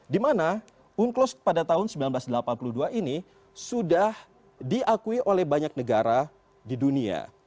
di mana unclos pada tahun seribu sembilan ratus delapan puluh dua ini sudah diakui oleh banyak negara di dunia